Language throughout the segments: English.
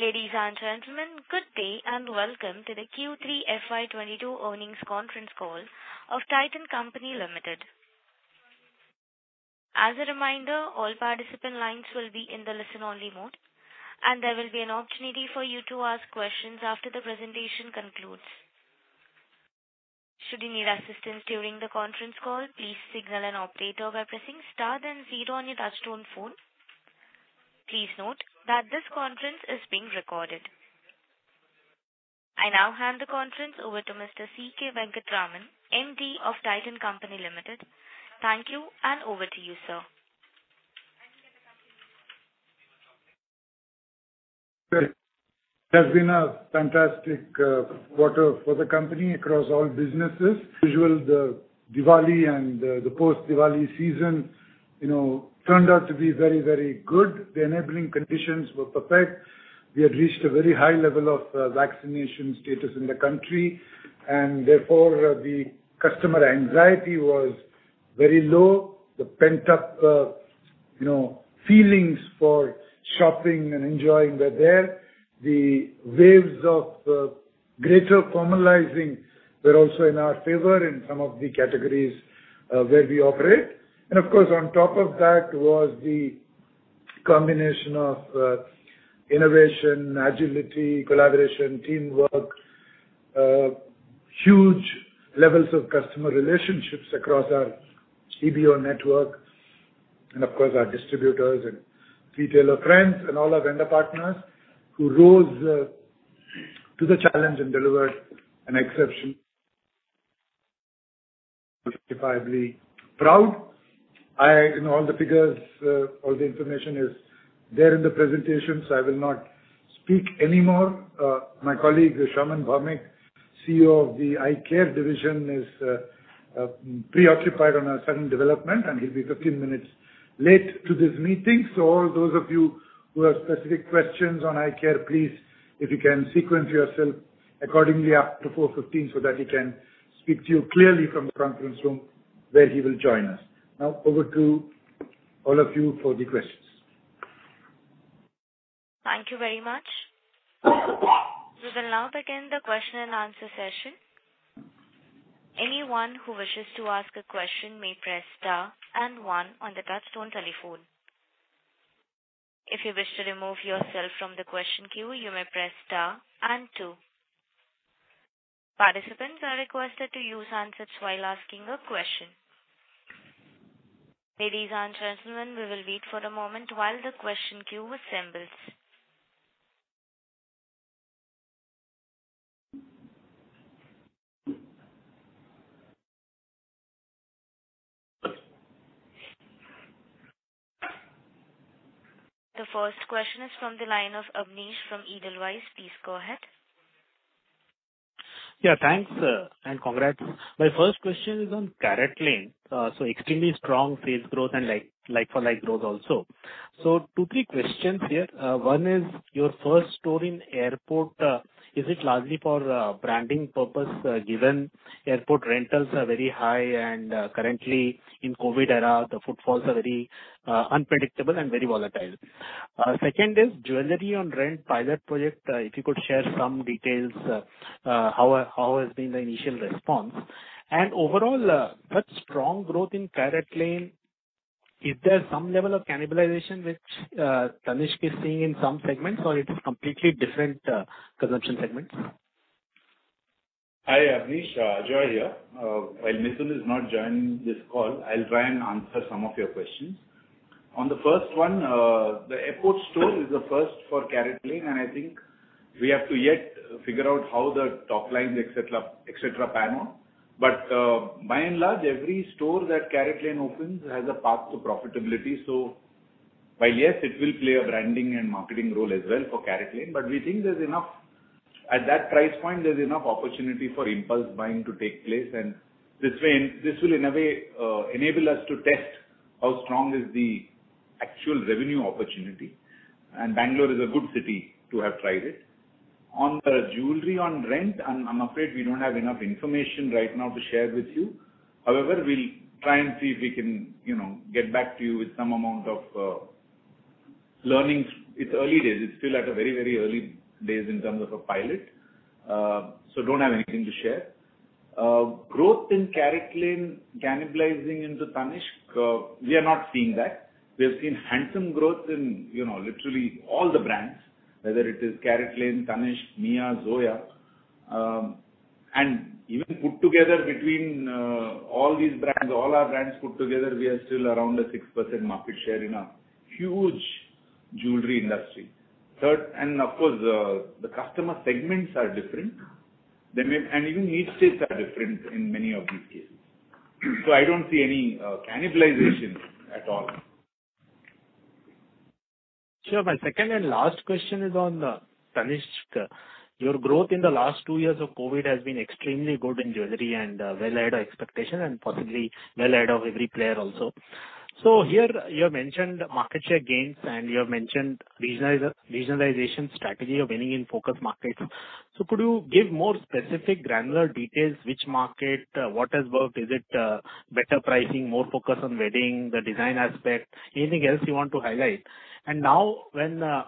Ladies and gentlemen, good day and welcome to the Q3 FY 2022 earnings conference call of Titan Company Limited. As a reminder, all participant lines will be in the listen-only mode, and there will be an opportunity for you to ask questions after the presentation concludes. Should you need assistance during the conference call, please signal an operator by pressing star then zero on your touchtone phone. Please note that this conference is being recorded. I now hand the conference over to Mr. C.K. Venkataraman, MD of Titan Company Limited. Thank you, and over to you, sir. It has been a fantastic quarter for the company across all businesses. As usual, the Diwali and the post-Diwali season, you know, turned out to be very, very good. The enabling conditions were perfect. We had reached a very high level of vaccination status in the country, and therefore, the customer anxiety was very low. The pent-up, you know, feelings for shopping and enjoying were there. The waves of greater formalizing were also in our favor in some of the categories where we operate. Of course, on top of that was the combination of innovation, agility, collaboration, teamwork, huge levels of customer relationships across our CBO network and of course our distributors and retailer friends and all our vendor partners who rose to the challenge and delivered an exceptional performance. All the figures, all the information is there in the presentation, so I will not speak anymore. My colleague, Saumen Bhaumik, CEO of the Eyecare Division, is preoccupied on a certain development, and he'll be 15 minutes late to this meeting. All those of you who have specific questions on eyecare, please, if you can sequence yourself accordingly up to 4:15 P.M. so that he can speak to you clearly from the conference room where he will join us. Now over to all of you for the questions. Thank you very much. We will now begin the question and answer session. Anyone who wishes to ask a question may press star and one on the touchtone telephone. If you wish to remove yourself from the question queue, you may press star and two. Participants are requested to use handsets while asking a question. Ladies and gentlemen, we will wait for a moment while the question queue assembles. The first question is from the line of Abneesh from Edelweiss. Please go ahead. Yeah, thanks, sir, and congrats. My first question is on CaratLane. Extremely strong sales growth and like-for-like growth also. Two, three questions here. One is your first store in airport, is it largely for branding purpose, given airport rentals are very high and currently in COVID era, the footfalls are very unpredictable and very volatile? Second is jewelry on rent pilot project. If you could share some details, how has been the initial response? And overall, such strong growth in CaratLane, is there some level of cannibalization which Tanishq is seeing in some segments or it is completely different consumption segments? Hi, Abneesh. Ajoy here. While Mithun is not joining this call, I'll try and answer some of your questions. On the first one, the airport store is the first for CaratLane, and I think we have to yet figure out how the top line, et cetera, et cetera, pan out. By and large, every store that CaratLane opens has a path to profitability. While, yes, it will play a branding and marketing role as well for CaratLane, we think there's enough. At that price point, there's enough opportunity for impulse buying to take place. This way, this will in a way enable us to test how strong is the actual revenue opportunity. Bangalore is a good city to have tried it. On the jewelry on rent, I'm afraid we don't have enough information right now to share with you. However, we'll try and see if we can, you know, get back to you with some amount of learnings. It's early days. It's still at a very early days in terms of a pilot. So don't have anything to share. Growth in CaratLane cannibalizing into Tanishq, we are not seeing that. We have seen handsome growth in, you know, literally all the brands, whether it is CaratLane, Tanishq, Mia, Zoya. Even put together between all these brands, all our brands put together, we are still around a 6% market share in a huge jewelry industry. Third, and of course, the customer segments are different. They may even need states are different in many of these cases. So I don't see any cannibalization at all. Sure. My second and last question is on Tanishq. Your growth in the last two years of COVID has been extremely good in jewelry and well ahead of expectation and possibly well ahead of every player also. Here you have mentioned market share gains, and you have mentioned regionalization strategy of winning in focus markets. Could you give more specific granular details, which market, what has worked? Is it better pricing, more focus on wedding, the design aspect? Anything else you want to highlight? Now when the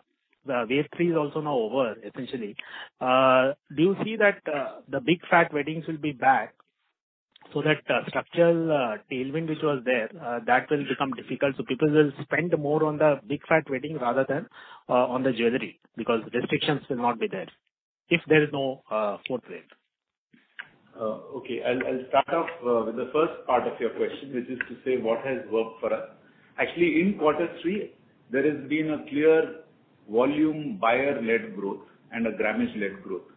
third wave is also now over, essentially. Do you see that the big fat weddings will be back so that the structural tailwind which was there that will become difficult, so people will spend more on the big fat wedding rather than on the jewelry because the restrictions will not be there if there is no fourth wave? Okay. I'll start off with the first part of your question, which is to say what has worked for us. Actually, in quarter three, there has been a clear volume buyer-led growth and a grammage-led growth.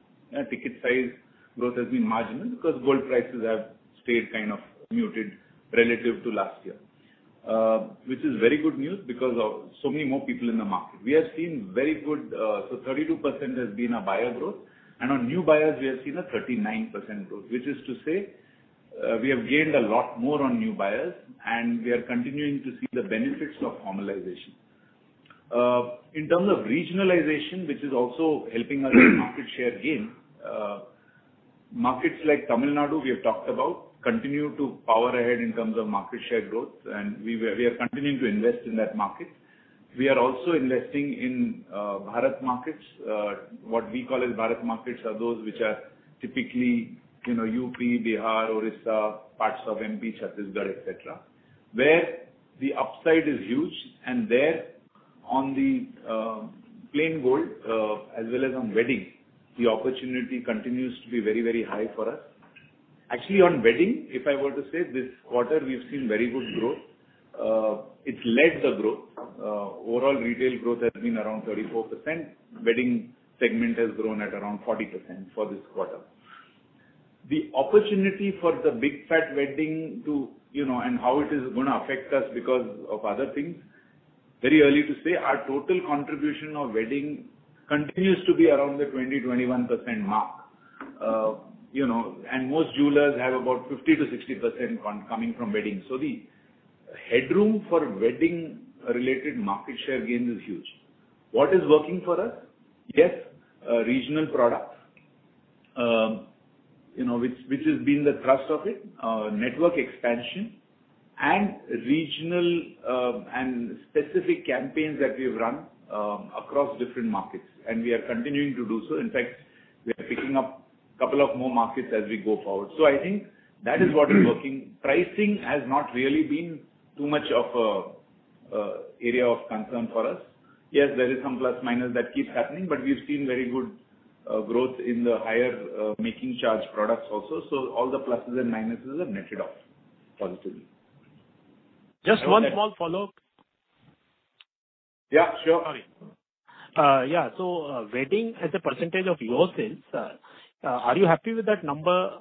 Ticket size growth has been marginal because gold prices have stayed kind of muted relative to last year, which is very good news because of so many more people in the market. We have seen very good so 32% has been a buyer growth, and on new buyers we have seen a 39% growth, which is to say, we have gained a lot more on new buyers, and we are continuing to see the benefits of formalization. In terms of regionalization, which is also helping us with market share gain, markets like Tamil Nadu, we have talked about, continue to power ahead in terms of market share growth and we are continuing to invest in that market. We are also investing in Bharat markets. What we call as Bharat markets are those which are typically, you know, UP, Bihar, Orissa, parts of MP, Chhattisgarh, et cetera, where the upside is huge. There on the plain gold, as well as on wedding, the opportunity continues to be very, very high for us. Actually, on wedding, if I were to say, this quarter we've seen very good growth. It's led the growth. Overall retail growth has been around 34%. Wedding segment has grown at around 40% for this quarter. The opportunity for the big fat wedding to, you know, and how it is gonna affect us because of other things, very early to say. Our total contribution of wedding continues to be around the 20-21% mark. You know, most jewelers have about 50-60% coming from wedding. The headroom for wedding-related market share gains is huge. What is working for us? Yes, regional products, you know, which has been the thrust of it. Network expansion and regional and specific campaigns that we've run across different markets, and we are continuing to do so. In fact, we are picking up couple of more markets as we go forward. I think that is what is working. Pricing has not really been too much of a area of concern for us. Yes, there is some plus/minus that keeps happening, but we've seen very good growth in the higher making charge products also. All the pluses and minuses are netted off positively. Just one small follow-up. Yeah, sure. Sorry. Yeah. Wedding as a percentage of your sales, are you happy with that number,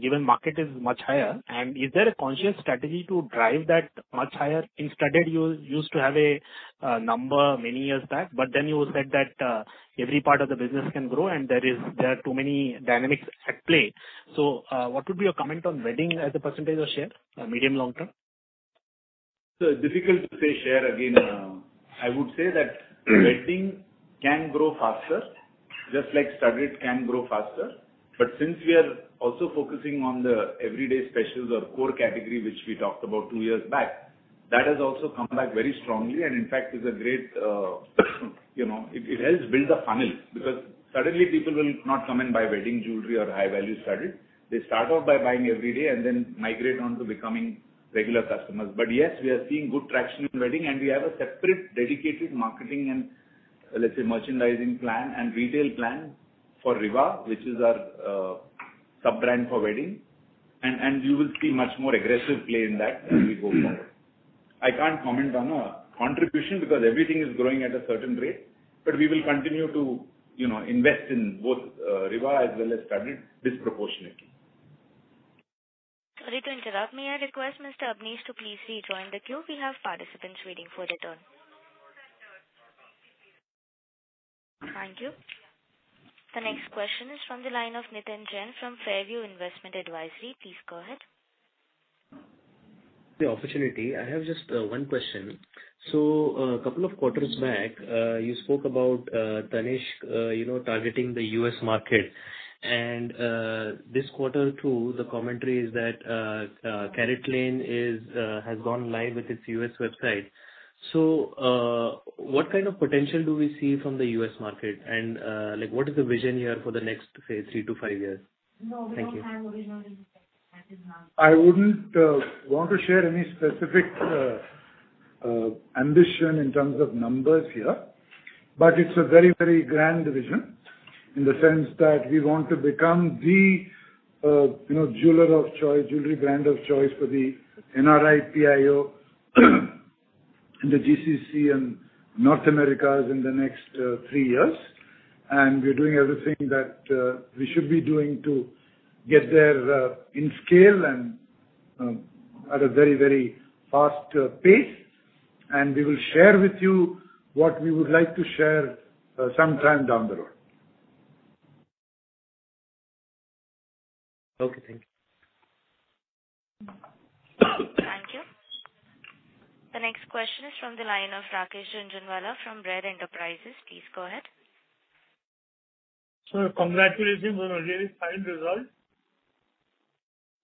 given market is much higher? Is there a conscious strategy to drive that much higher? In studded you used to have a number many years back, but then you said that every part of the business can grow and there are too many dynamics at play. What would be your comment on wedding as a percentage of share, medium long-term? It's difficult to say share again. I would say that wedding can grow faster, just like studded can grow faster. But since we are also focusing on the everyday specials or core category, which we talked about two years back, that has also come back very strongly and in fact is a great, you know, it helps build a funnel. Because suddenly people will not come and buy wedding jewelry or high-value studded. They start out by buying every day and then migrate on to becoming regular customers. But yes, we are seeing good traction in wedding, and we have a separate dedicated marketing and, let's say, merchandising plan and retail plan for Rivaah, which is our sub-brand for wedding. You will see much more aggressive play in that as we go forward. I can't comment on a contribution because everything is growing at a certain rate. We will continue to, you know, invest in both, Rivaah as well as studded disproportionately. Sorry to interrupt. May I request Mr. Abneesh to please rejoin the queue. We have participants waiting for their turn. Thank you. The next question is from the line of Nitin Jain from Fairview Investment Advisory. Please go ahead. The opportunity. I have just one question. A couple of quarters back, you spoke about Tanishq, you know, targeting the U.S. market. This quarter too, the commentary is that CaratLane has gone live with its U.S. website. What kind of potential do we see from the U.S. market? Like, what is the vision here for the next say three to five years? Thank you. I wouldn't want to share any specific ambition in terms of numbers here, but it's a very, very grand vision, in the sense that we want to become the, you know, jeweler of choice, jewelry brand of choice for the NRI, PIO in the GCC and North America in the next three years. We're doing everything that we should be doing to get there, in scale and, at a very, very fast pace. We will share with you what we would like to share, sometime down the road. Okay, thank you. Thank you. The next question is from the line of Rakesh Jhunjhunwala from Rare Enterprises. Please go ahead. Congratulations on a really fine result.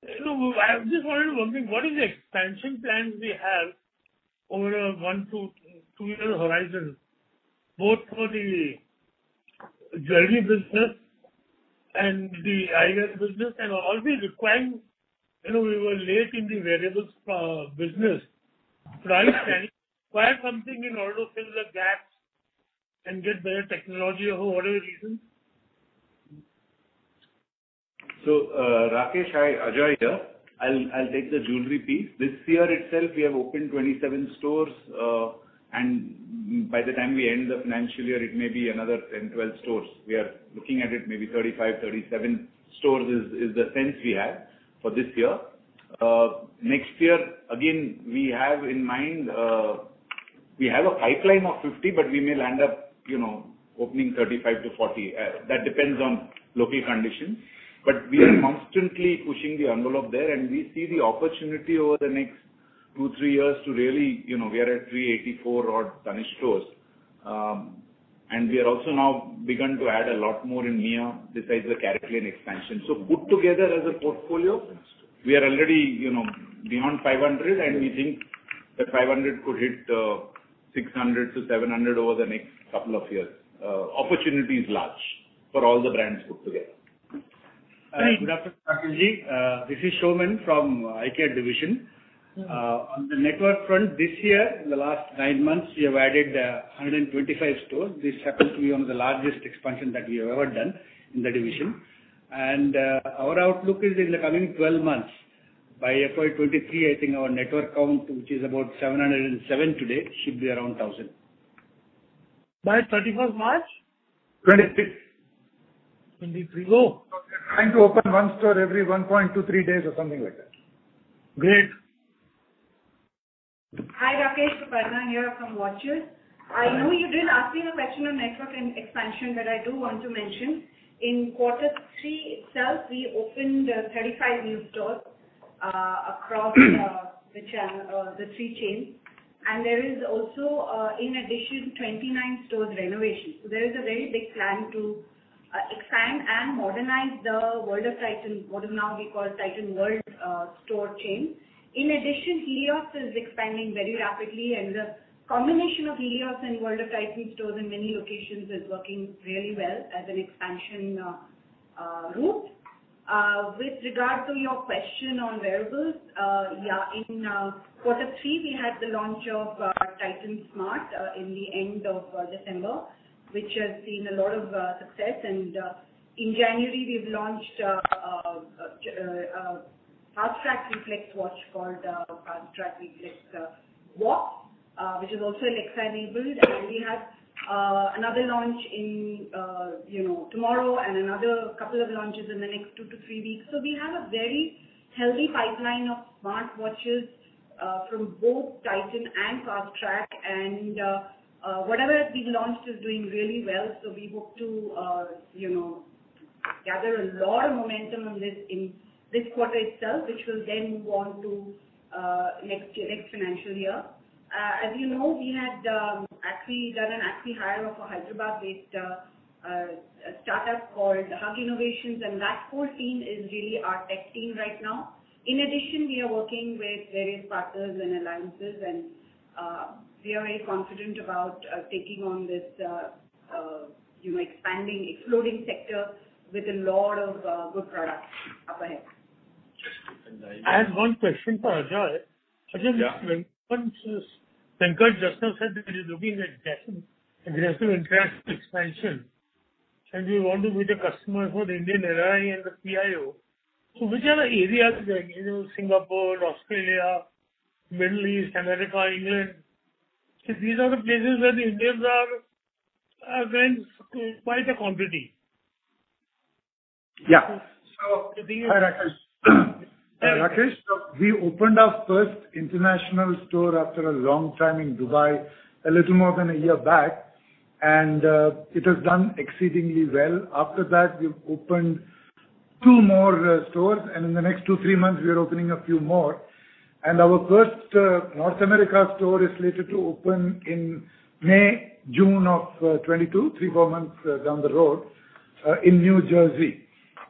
You know, I'm just wondering, what is the expansion plan we have over a one to two year horizon, both for the jewelry business and the eyeglass business? You know, we were late in the wearables business. Are you planning to acquire something in order to fill the gaps and get better technology or whatever reason? Rakesh, Ajoy here. I'll take the jewelry piece. This year itself, we have opened 27 stores. By the time we end the financial year, it may be another 10, 12 stores. We are looking at it, maybe 35, 37 stores is the sense we have for this year. Next year, again, we have in mind, we have a pipeline of 50, but we may land up, you know, opening 35-40. That depends on local conditions. We are constantly pushing the envelope there, and we see the opportunity over the next two, three years to really, you know, we are at 384 odd Tanishq stores. We are also now begun to add a lot more in Mia besides the CaratLane expansion. Put together as a portfolio, we are already, you know, beyond 500, and we think the 500 could hit 600-700 over the next couple of years. Opportunity is large for all the brands put together. Thank you. Good afternoon, Rakeshji. This is Saumen from Eyecare division. On the network front, this year, in the last nine months, we have added 125 stores. This happens to be one of the largest expansion that we have ever done in the division. Our outlook is in the coming 12 months. By April 2023, I think our network count, which is about 707 today, should be around 1,000. By thirty-first March? Twenty-three. 23. Oh, okay. We're trying to open one store every 1.2-3 days or something like that. Great. Hi, Rakesh. Suparna here from Watches. I know you did ask me a question on network and expansion that I do want to mention. In quarter three itself, we opened 35 new stores across the three chains. There is also, in addition, 29 stores renovation. There is a very big plan to expand and modernize the World of Titan, what is now we call Titan World, store chain. In addition, Helios is expanding very rapidly, and the combination of Helios and World of Titan stores in many locations is working really well as an expansion route. With regard to your question on wearables, yeah, in quarter three, we had the launch of Titan Smart in the end of December, which has seen a lot of success. In January, we've launched Fastrack Reflex watch called Fastrack Reflex Watch, which is also an in-house build. We have another launch tomorrow and another couple of launches in the next two to three weeks. We have a very healthy pipeline of smartwatches from both Titan and Fastrack. Whatever we launched is doing really well. We hope to gather a lot of momentum on this in this quarter itself, which will then move on to next year, next financial year. As you know, we had actually done an acq-hire of a Hyderabad-based startup called Hug Innovations, and that whole team is really our tech team right now. In addition, we are working with various partners and alliances and we are very confident about taking on this, you know, expanding, exploding sector with a lot of good products up ahead. I have one question for Ajoy. Yeah. Ajoy, Venkat just now said that he is looking at getting aggressive international expansion, and we want to cater to the Indian NRI and the PIO. Which are the areas that, you know, Singapore, Australia, Middle East, America, England? Because these are the places where the Indians are in quite a quantity. Yeah. So to be- Hi, Rakesh, we opened our first international store after a long time in Dubai, a little more than a year back. It has done exceedingly well. After that, we've opened two more stores, and in the next two, three months, we are opening a few more. Our first North America store is slated to open in May, June of 2022, three, four months down the road, in New Jersey.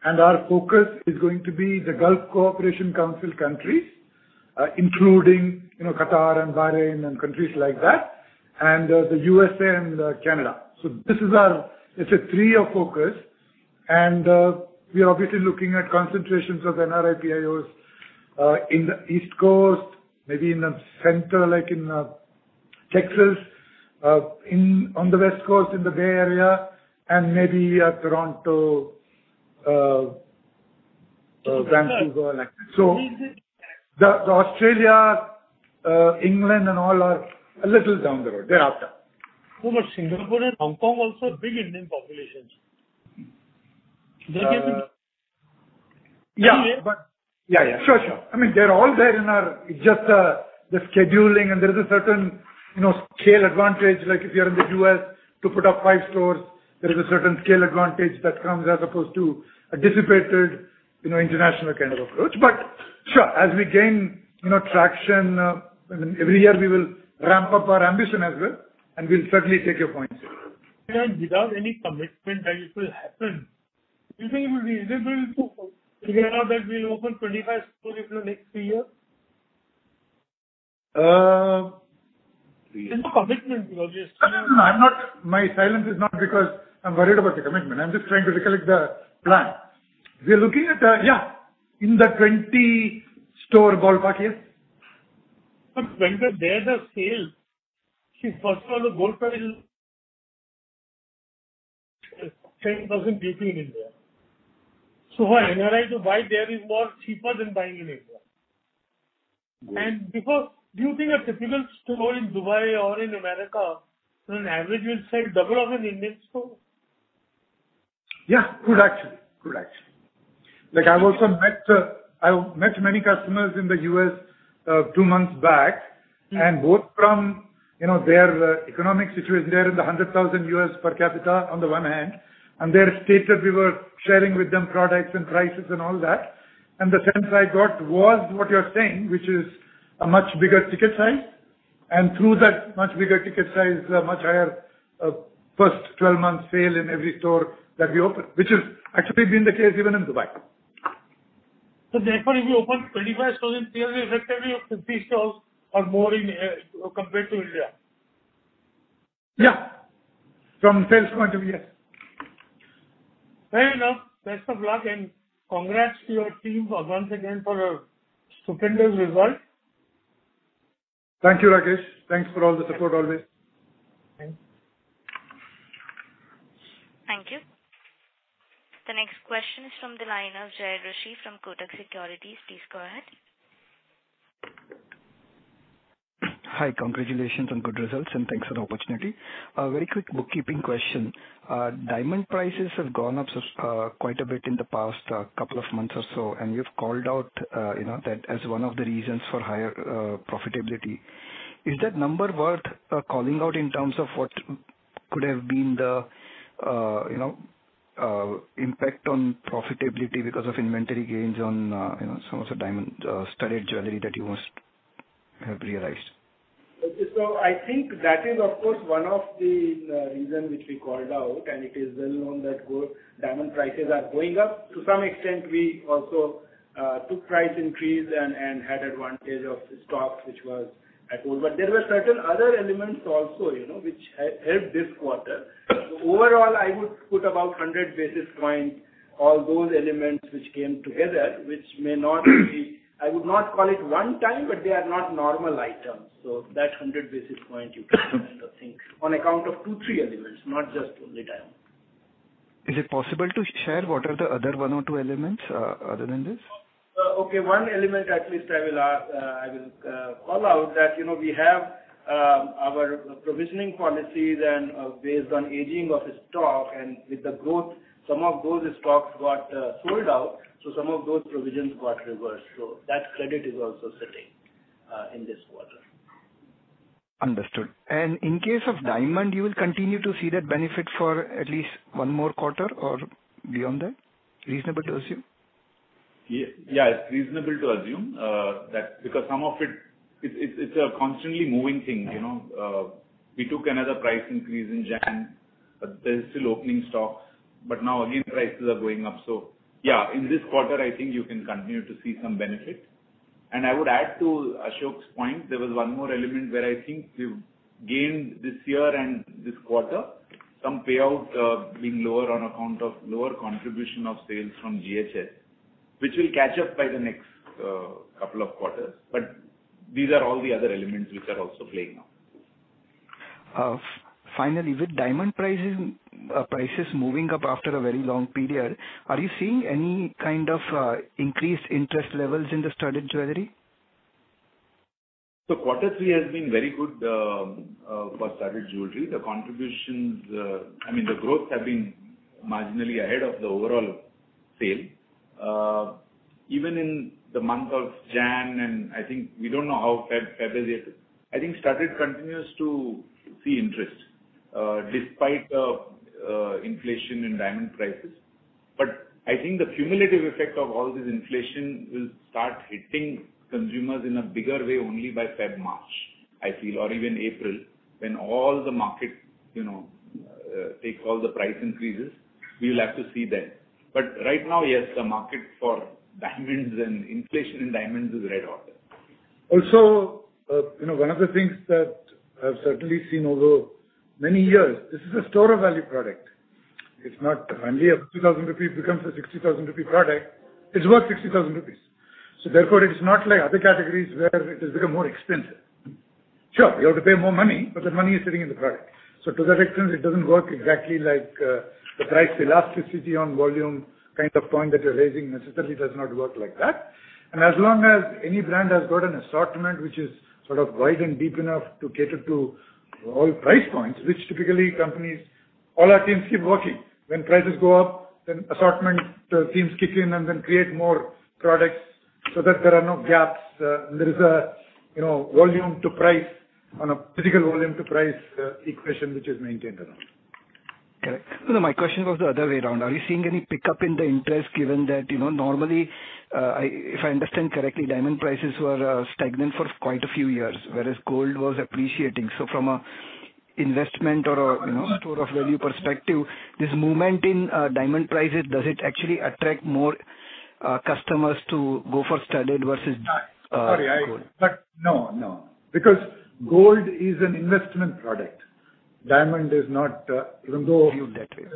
Our focus is going to be the Gulf Cooperation Council countries, including, you know, Qatar and Bahrain and countries like that, and the USA and Canada. This is our three-year focus. We are obviously looking at concentrations of NRI PIOs in the East Coast, maybe in the center, like in Texas, in on the West Coast, in the Bay Area, and maybe Toronto, Vancouver like that. The Australia, England and all are a little down the road. They're after. Singapore and Hong Kong also big Indian populations. They can- Yeah. Sure. I mean, they're all there in our just the scheduling, and there is a certain, you know, scale advantage, like if you're in the U.S. to put up five stores, there is a certain scale advantage that comes as opposed to a dissipated, you know, international kind of approach. Sure. As we gain, you know, traction, every year we will ramp up our ambition as well, and we'll certainly take your points. Without any commitment that it will happen, do you think it will be reasonable to figure out that we'll open 20 stores in the next three years? Um. It's a commitment, obviously. No, no. I'm not. My silence is not because I'm worried about the commitment. I'm just trying to recollect the plan. We are looking at, yeah, in the 20 store ballpark, yes. When there's a sale, first of all, the gold price is INR 10,000 BP in India. For NRIs to buy there is more cheaper than buying in India. Mm-hmm. Before, do you think a typical store in Dubai or in America on an average will sell double of an Indian store? Yeah. Like, I've also met many customers in the U.S. two months back. Mm-hmm. Both from, you know, their economic situation there in the $100,000 U.S. per capita on the one hand, and their stature, we were sharing with them products and prices and all that. The sense I got was what you're saying, which is a much bigger ticket size. Through that much bigger ticket size, a much higher first 12 months sale in every store that we open, which has actually been the case even in Dubai. If you open 20 stores, then theoretically your 50 stores are more in compared to India. Yeah. From sales point of view, yes. Fair enough. Best of luck and congrats to your team once again for a stupendous result. Thank you, Rakesh. Thanks for all the support always. Thanks. Thank you. The next question is from the line of Jay Doshi from Kotak Securities. Please go ahead. Hi. Congratulations on good results, and thanks for the opportunity. Very quick bookkeeping question. Diamond prices have gone up quite a bit in the past couple of months or so, and you've called out that as one of the reasons for higher profitability. Is that number worth calling out in terms of what could have been the impact on profitability because of inventory gains on some of the diamond studded jewelry that you must have realized? I think that is, of course, one of the reason which we called out, and it is well known that gold, diamond prices are going up. To some extent, we also took price increase and had advantage of stock which was at all. There were certain other elements also, you know, which helped this quarter. Overall, I would put about 100 basis points, all those elements which came together, which may not be. I would not call it one time, but they are not normal items. That 100 basis point you can remember, I think, on account of two, three elements, not just only diamond. Is it possible to share what are the other one or two elements, other than this? Okay, one element at least I will call out that, you know, we have our provisioning policies and, based on aging of stock and with the growth, some of those stocks got sold out, so some of those provisions got reversed. That credit is also sitting in this quarter. Understood. In case of diamond, you will continue to see that benefit for at least one more quarter or beyond that? Reasonable to assume? Yeah, it's reasonable to assume that because some of it's a constantly moving thing, you know. We took another price increase in January, but there's still opening stocks. Now again, prices are going up, so yeah. In this quarter, I think you can continue to see some benefit. I would add to Ashok's point, there was one more element where I think we've gained this year and this quarter some payout being lower on account of lower contribution of sales from GHS, which will catch up by the next couple of quarters. These are all the other elements which are also playing out. Finally, with diamond prices moving up after a very long period, are you seeing any kind of increased interest levels in the studded jewelry? Quarter three has been very good for studded jewelry. I mean, the growth have been marginally ahead of the overall sale. Even in the month of January, and I think we don't know how February fell yet. I think studded continues to see interest despite the inflation in diamond prices. I think the cumulative effect of all this inflation will start hitting consumers in a bigger way only by February, March, I feel, or even April, when all the markets, you know, take all the price increases. We will have to see then. Right now, yes, the market for diamonds and inflation in diamonds is red hot. Also, you know, one of the things that I've certainly seen over many years, this is a store of value product. It's not only a 2,000 rupee becomes a 60,000 rupee product, it's worth 60,000 rupees. Therefore, it is not like other categories where it has become more expensive. Sure, you have to pay more money, but the money is sitting in the product. To that extent, it doesn't work exactly like the price elasticity on volume kind of point that you're raising necessarily does not work like that. As long as any brand has got an assortment which is sort of wide and deep enough to cater to all price points, which typically companies all our teams keep working. When prices go up, then assortment teams kick in and then create more products so that there are no gaps. There is a, you know, volume to price on a physical volume to price equation which is maintained around. Correct. No, my question was the other way around. Are you seeing any pickup in the interest given that, you know, normally, if I understand correctly, diamond prices were stagnant for quite a few years, whereas gold was appreciating. So from an investment or, you know, store of value perspective, this movement in diamond prices, does it actually attract more customers to go for studded versus gold? No, no, because gold is an investment product. Diamond is not, even though I yield that way.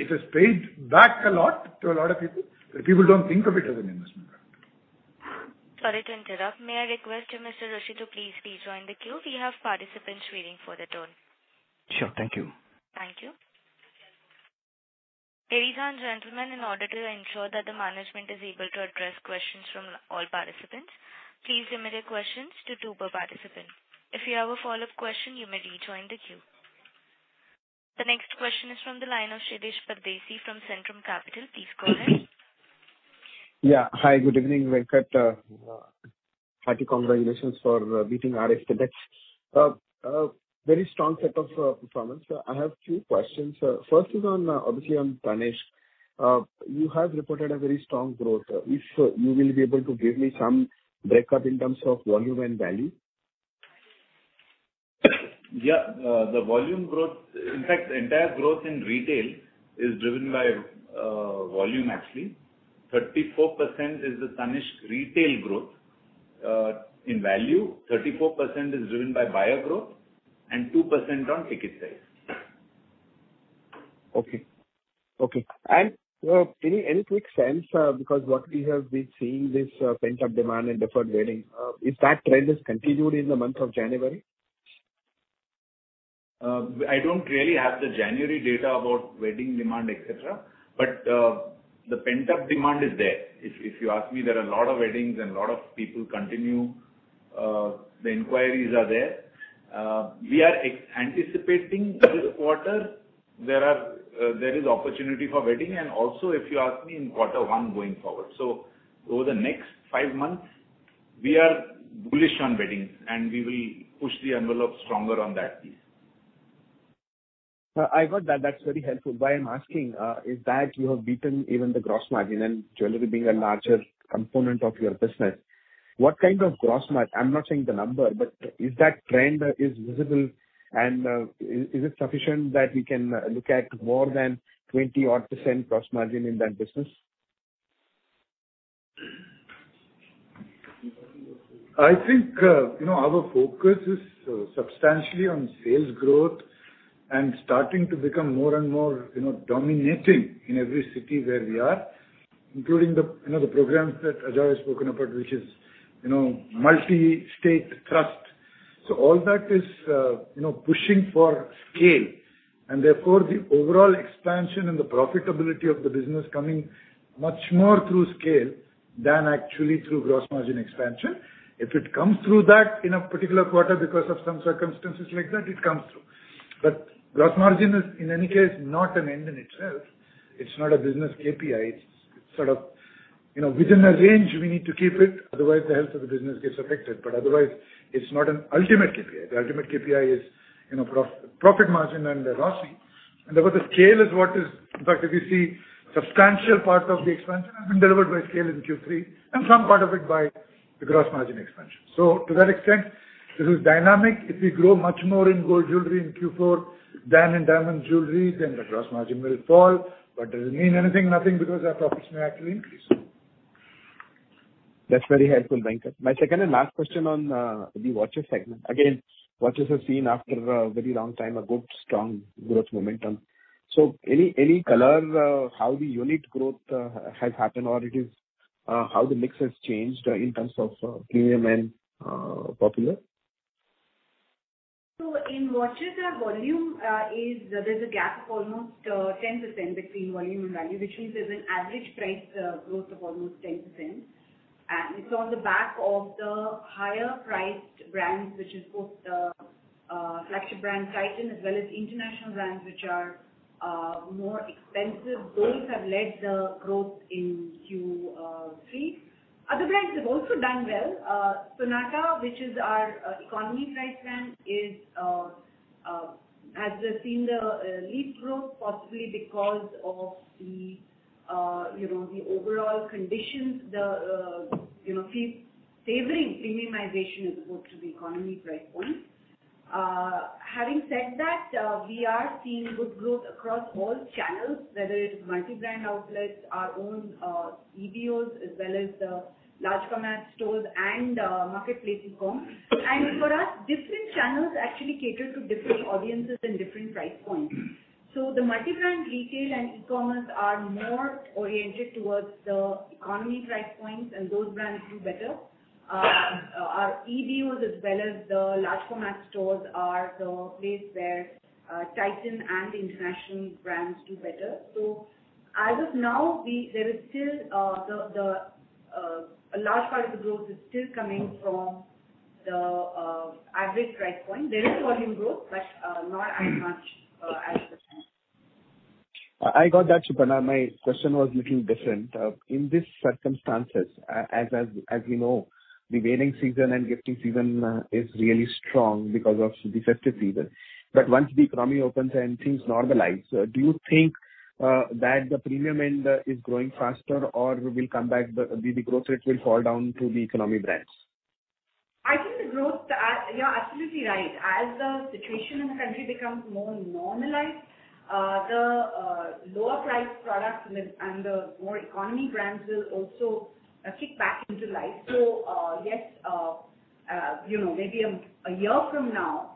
It has paid back a lot to a lot of people, but people don't think of it as an investment product. Sorry to interrupt. May I request you, Mr. Doshi, to please rejoin the queue. We have participants waiting for their turn. Sure. Thank you. Thank you. Ladies and gentlemen, in order to ensure that the management is able to address questions from all participants, please limit your questions to two per participant. If you have a follow-up question, you may rejoin the queue. The next question is from the line of Shirish Pardeshi from Centrum Capital. Please go ahead. Yeah. Hi. Good evening, Venkat. Hearty congratulations for beating our estimates. Very strong set of performance. I have two questions. First is on, obviously on Tanishq. You have reported a very strong growth. If you will be able to give me some breakup in terms of volume and value. The volume growth. In fact, the entire growth in retail is driven by volume actually. 34% is the Tanishq retail growth in value. 34% is driven by buyer growth and 2% on ticket sales. Okay. Any quick sense, because what we have been seeing this pent-up demand in deferred wedding, if that trend has continued in the month of January? I don't really have the January data about wedding demand, et cetera, but the pent-up demand is there. If you ask me, there are a lot of weddings and a lot of people continue, the inquiries are there. We are anticipating this quarter there is opportunity for wedding and also, if you ask me, in quarter one going forward. Over the next five months, we are bullish on wedding, and we will push the envelope stronger on that piece. I got that. That's very helpful. Why I'm asking is that you have beaten even the gross margin and jewelry being a larger component of your business. What kind of gross margin? I'm not saying the number, but is that trend is visible and is it sufficient that we can look at more than 20-odd percent gross margin in that business? I think, you know, our focus is substantially on sales growth and starting to become more and more, you know, dominating in every city where we are, including the, you know, the programs that Ajoy has spoken about, which is, you know, multi-state trust. All that is, you know, pushing for scale, and therefore the overall expansion and the profitability of the business coming much more through scale than actually through gross margin expansion. If it comes through that in a particular quarter because of some circumstances like that, it comes through. Gross margin is, in any case, not an end in itself. It's not a business KPI. It's sort of, you know, within a range we need to keep it, otherwise the health of the business gets affected. Otherwise, it's not an ultimate KPI. The ultimate KPI is, you know, profit margin and ROCE. Therefore, the scale is what is. In fact, if you see substantial part of the expansion has been delivered by scale in Q3 and some part of it by the gross margin expansion. To that extent, this is dynamic. If we grow much more in gold jewelry in Q4 than in diamond jewelry, then the gross margin will fall. Does it mean anything? Nothing, because our profits may actually increase. That's very helpful, Venkat. My second and last question on the watches segment. Again, watches have seen after a very long time a good strong growth momentum. Any color how the unit growth has happened or it is how the mix has changed in terms of premium and popular? In watches, our volume, there's a gap of almost 10% between volume and value, which means there's an average price growth of almost 10%. It's on the back of the higher priced brands, which is both flagship brand Titan as well as international brands which are more expensive. Those have led the growth in Q3. Other brands have also done well. Sonata, which is our economy price brand, has seen the least growth possibly because of, you know, the overall conditions favoring premiumization as opposed to the economy price point. Having said that, we are seeing good growth across all channels, whether it's multi-brand outlets, our own EBOs as well as the large format stores and marketplace e-com. For us, different channels actually cater to different audiences and different price points. The multi-brand retail and e-commerce are more oriented towards the economy price points and those brands do better. Our EBOs as well as the large format stores are the place where Titan and international brands do better. As of now, there is still a large part of the growth is still coming from the average price point. There is volume growth, but not as much as the I got that, Suparna. My question was a little different. In these circumstances, as we know, the wedding season and gifting season is really strong because of the festive season. Once the economy opens and things normalize, do you think that the premium end is growing faster or will come back, the growth rate will fall down to the economy brands? I think the growth. You're absolutely right. As the situation in the country becomes more normalized, the lower priced products and the more economy brands will also kick back into life. Yes, you know, maybe a year from now,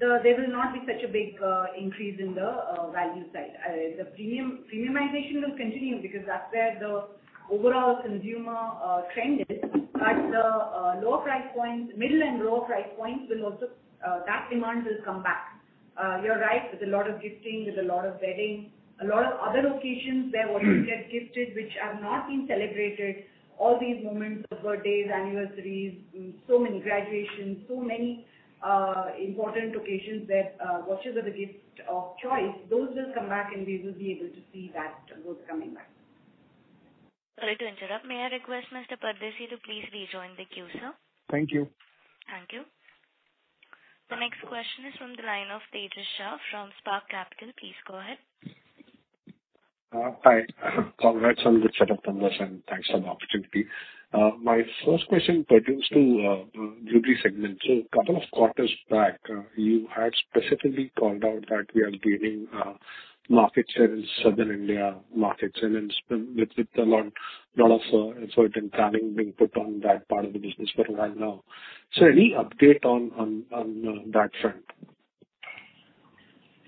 there will not be such a big increase in the value side. The premiumization will continue because that's where the overall consumer trend is. But the lower price points, middle and lower price points, that demand will come back. You're right, with a lot of gifting, with a lot of wedding, a lot of other occasions where one would get gifted, which have not been celebrated, all these moments of birthdays, anniversaries, so many graduations, so many important occasions where watches are the gift of choice, those will come back and we will be able to see that, those coming back. Sorry to interrupt. May I request Mr. Pardeshi to please rejoin the queue, sir. Thank you. Thank you. The next question is from the line of Tejas Shah from Spark Capital. Please go ahead. Hi. Congrats on the set of numbers, and thanks for the opportunity. My first question pertains to jewelry segment. Couple of quarters back, you had specifically called out that we are gaining market share in Southern India, market share in Spain with a lot of effort and planning being put on that part of the business for a while now. Any update on that front?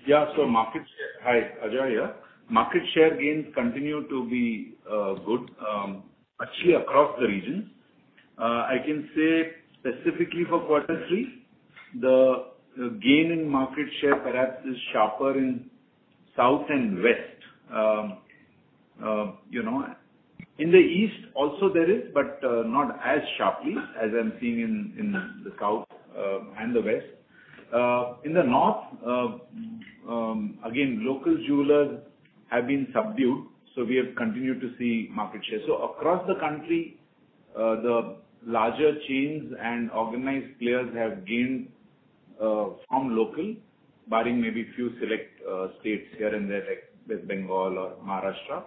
Hi, Tejas here. Market share gains continue to be good, actually across the regions. I can say specifically for quarter three, the gain in market share perhaps is sharper in south and west. You know, in the east also there is, but not as sharply as I'm seeing in the south and the west. In the north, again, local jewelers have been subdued, so we have continued to see market share. Across the country, the larger chains and organized players have gained from local, barring maybe a few select states here and there, like West Bengal or Maharashtra,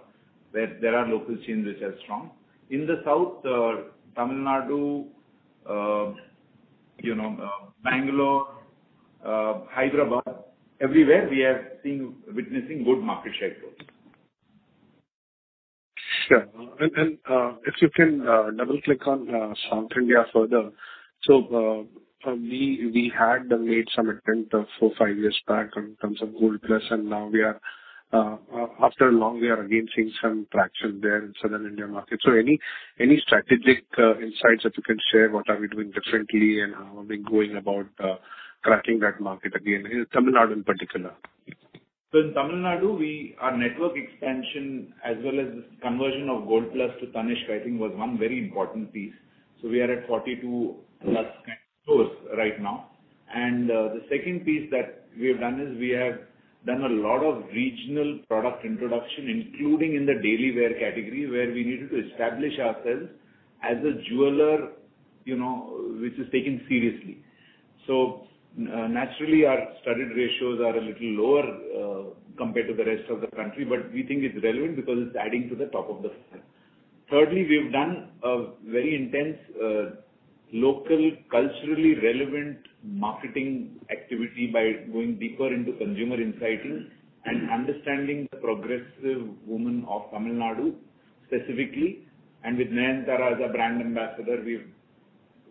where there are local chains which are strong. In the south, Tamil Nadu, you know, Bangalore, Hyderabad, everywhere we are witnessing good market share growth. Sure. If you can double-click on South India further. We had made some attempt 4-5 years back in terms of Gold Plus, and now, after long, we are again seeing some traction there in South India market. Any strategic insights that you can share, what are we doing differently and how are we going about cracking that market again in Tamil Nadu in particular? In Tamil Nadu, our network expansion as well as conversion of Gold Plus to Tanishq, I think was one very important piece. We are at 42+ stores right now. The second piece that we have done is we have done a lot of regional product introduction, including in the daily wear category, where we needed to establish ourselves as a jeweler, you know, which is taken seriously. Naturally, our studded ratios are a little lower compared to the rest of the country, but we think it's relevant because it's adding to the top of the scale. Thirdly, we have done a very intense local, culturally relevant marketing activity by going deeper into consumer insights and understanding the progressive women of Tamil Nadu specifically. With Nayanthara as a brand ambassador, we've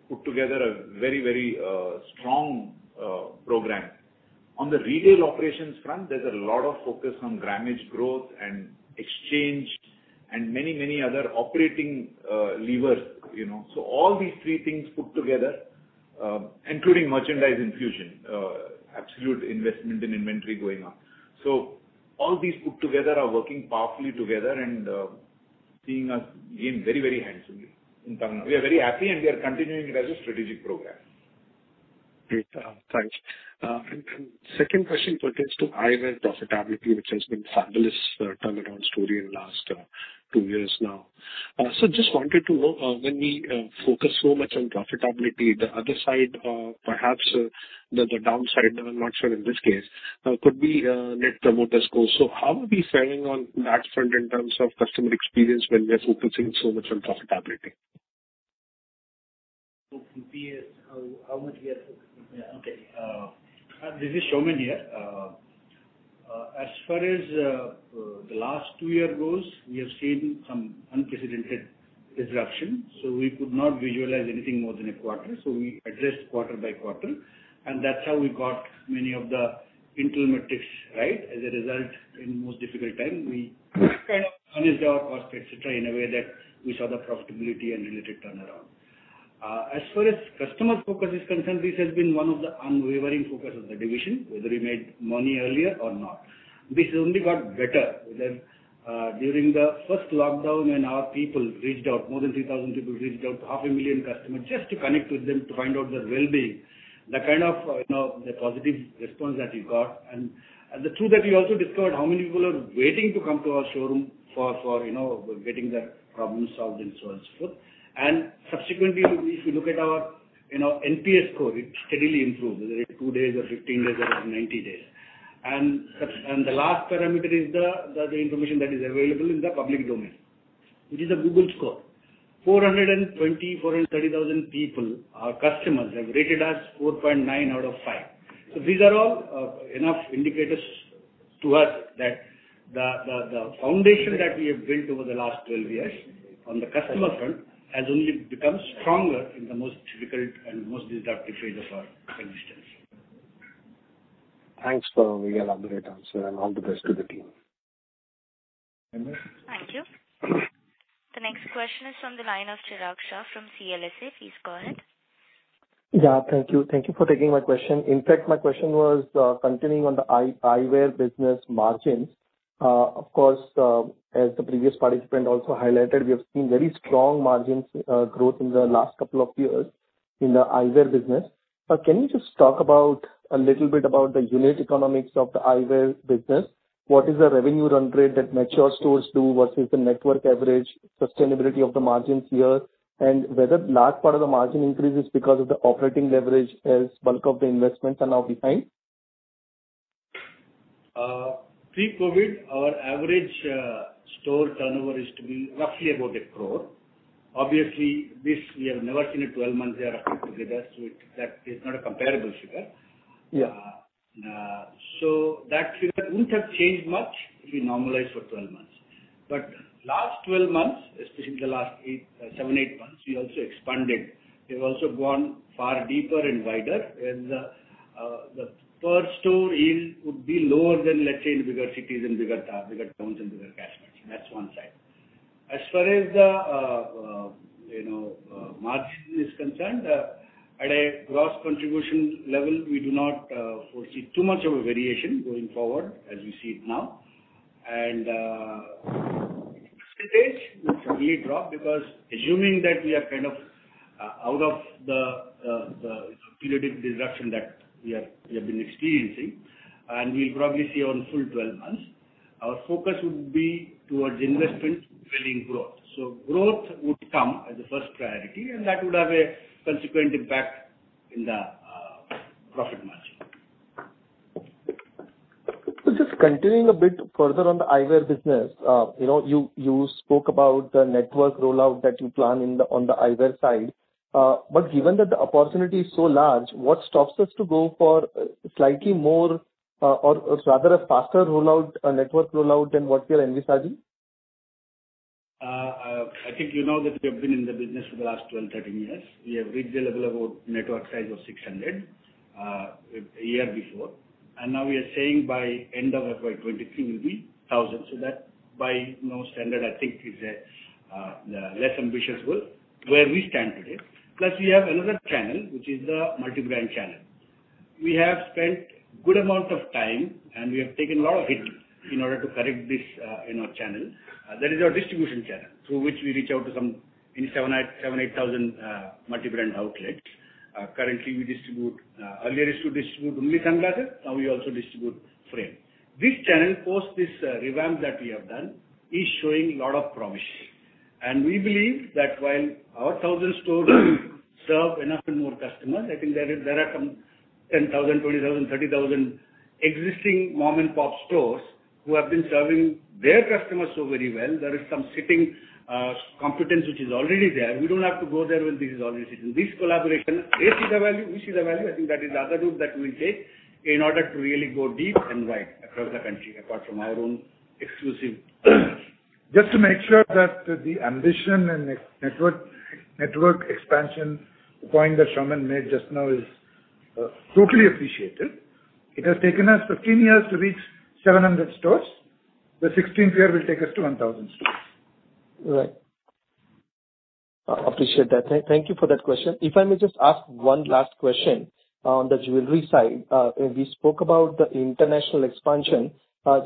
put together a very strong program. On the retail operations front, there's a lot of focus on grammage growth and exchange and many, many other operating levers, you know. All these three things put together, including merchandise infusion, absolute investment in inventory going on, are working powerfully together and seeing us gain very, very handsomely in Tamil. We are very happy, and we are continuing it as a strategic program. Great. Thanks. Second question pertains to eyewear profitability, which has been fabulous turnaround story in the last two years now. Just wanted to know, when we focus so much on profitability, the other side, perhaps the downside, I'm not sure in this case, could be Net Promoter Score. How are we faring on that front in terms of customer experience when we are focusing so much on profitability? PS, how much we are focusing? Yeah. Okay. This is Saumen here. As far as the last two years goes, we have seen some unprecedented disruption, so we could not visualize anything more than a quarter. We addressed quarter by quarter, and that's how we got many of the internal metrics, right? As a result, in the most difficult time, we kind of managed our costs, et cetera, in a way that we saw the profitability and related turnaround. As far as customer focus is concerned, this has been one of the unwavering focus of the division, whether we made money earlier or not. This only got better with the during the first lockdown when our people reached out, more than 3,000 people reached out to half a million customers just to connect with them to find out their well-being. The kind of, you know, the positive response that we got and the truth that we also discovered how many people are waiting to come to our showroom for, you know, getting their problems solved and so on, so forth. Subsequently, if we look at our, you know, NPS score, it steadily improved, whether it's two days or 15 days or 90 days. The last parameter is the information that is available in the public domain, which is a Google score. 420, 430 thousand people, our customers, have rated us 4.9 out of five. These are all enough indicators to us that the foundation that we have built over the last 12 years on the customer front has only become stronger in the most difficult and most disruptive phase of our existence. Thanks for a really elaborate answer, and all the best to the team. Nimesh. Thank you. The next question is from the line of Chirag Shah from CLSA. Please go ahead. Yeah, thank you. Thank you for taking my question. In fact, my question was continuing on the eyewear business margins. Of course, as the previous participant also highlighted, we have seen very strong margins growth in the last couple of years in the eyewear business. Can you just talk about a little bit about the unit economics of the eyewear business? What is the revenue run rate that mature stores do versus the network average, sustainability of the margins here, and whether large part of the margin increase is because of the operating leverage as bulk of the investments are now behind? Pre-COVID, our average store turnover used to be roughly about 1 crore. Obviously, this we have never seen a 12-month year up until together, so that is not a comparable figure. Yeah. That figure wouldn't have changed much if we normalize for 12 months. Last 12 months, especially the last eight, seven, eight months, we also expanded. We've also gone far deeper and wider, and the per store yield would be lower than, let's say, in bigger cities, in bigger towns and bigger cash markets. That's one side. As far as the margin is concerned, at a gross contribution level, we do not foresee too much of a variation going forward as we see it now. Percentage will certainly drop because assuming that we are kind of out of the periodic disruption that we have been experiencing, and we'll probably see on full 12 months, our focus would be towards investment-building growth. Growth would come as a first priority, and that would have a consequent impact in the profit margin. Just continuing a bit further on the eyewear business, you know, you spoke about the network rollout that you plan on the eyewear side. Given that the opportunity is so large, what stops us to go for slightly more or rather a faster rollout, network rollout than what we are envisaging? I think you know that we have been in the business for the last 12, 13 years. We have reached a level about network size of 600 a year before. Now we are saying by end of FY 2023 will be 1,000. That by, you know, standard I think is a less ambitious goal where we stand today. Plus we have another channel, which is the multi-brand channel. We have spent good amount of time, and we have taken lot of hits in order to correct this, you know, channel. That is our distribution channel through which we reach out to some 7,800 multi-brand outlets. Currently we distribute, earlier used to distribute only sunglasses, now we also distribute frames. This channel, post this revamp that we have done is showing lot of promise. We believe that while our 1,000 stores will serve enough and more customers, I think there are some 10,000, 20,000, 30,000 existing mom-and-pop stores who have been serving their customers so very well. There is some sitting competence which is already there. We don't have to go there when this is already sitting. This collaboration. They see the value. We see the value. I think that is the other route that we'll take in order to really go deep and wide across the country, apart from our own exclusive Just to make sure that the ambition and network expansion point that Saumen made just now is totally appreciated. It has taken us 15 years to reach 700 stores. The sixteenth year will take us to 1,000 stores. Right. Appreciate that. Thank you for that question. If I may just ask one last question on the jewelry side. We spoke about the international expansion.